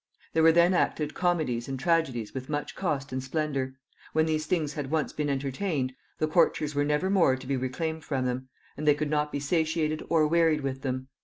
There were then acted comedies and tragedies with much cost and splendor. When these things had once been entertained, the courtiers were never more to be reclaimed from them, and they could not be satiated or wearied with them.